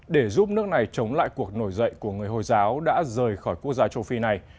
để giúp nước này chống lại cuộc nổi dậy của người hồi giáo đã rời khỏi quốc gia châu phi này